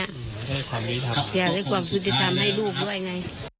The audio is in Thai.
อยากที่สุดที่ทำให้ลูกก็อ่ะ